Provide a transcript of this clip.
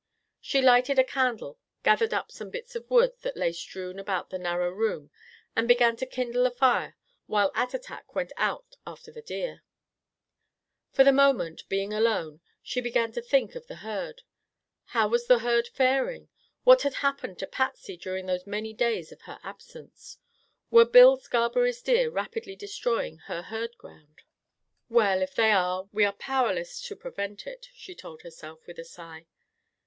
She lighted a candle, gathered up some bits of wood that lay strewn about the narrow room, and began to kindle a fire while Attatak went out after the deer. For the moment, being alone, she began to think of the herd. How was the herd faring? What had happened to Patsy during those many days of her absence? Were Bill Scarberry's deer rapidly destroying her herd ground. "Well, if they are, we are powerless to prevent it," she told herself with a sigh.